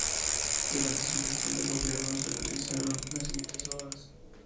Durante su gestión de gobierno se realizaron las siguientes obras